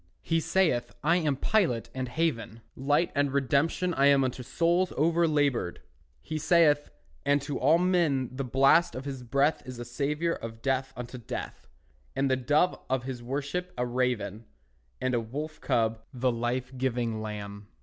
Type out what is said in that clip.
He saith, "I am pilot and haven, Light and redemption I am Unto souls overlaboured," he saith; And to all men the blast of his breath Is a savour of death unto death; And the Dove of his worship a raven, And a wolf cub the life giving Lamb.